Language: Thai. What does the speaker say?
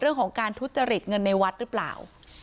เรื่องของการทุจริตเงินในวัดหรือเปล่า